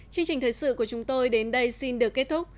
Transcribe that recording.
chương trình thời sự của chúng tôi đến đây xin được kết thúc